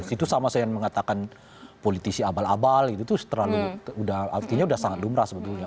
itu sama saya yang mengatakan politisi abal abal gitu tuh terlalu artinya sudah sangat lumrah sebetulnya